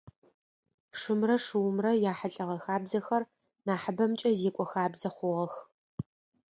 Шымрэ шыумрэ яхьылӏэгъэ хабзэхэр нахьыбэмкӏэ зекӏо хабзэ хъугъэх.